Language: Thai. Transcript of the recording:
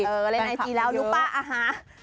เออเล่นไอจีแล้วรู้ป่ะอ่าฮะ